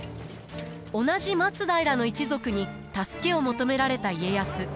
同じ松平の一族に助けを求められた家康。